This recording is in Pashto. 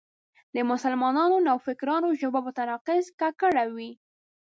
د مسلمانو نوفکرانو ژبه په تناقض ککړه وي.